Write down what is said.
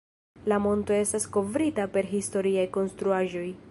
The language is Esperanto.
La monto estas kovrita per historiaj konstruaĵoj.